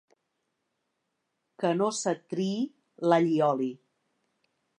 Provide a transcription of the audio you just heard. Que no se't triï l'allioli.